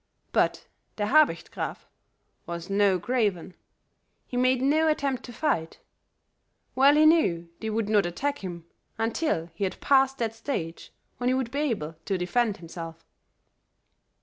But Der Habicht Graf was no craven; he made no attempt to fight; well he knew they would not attack him until he had passed that stage when he would be able to defend himself.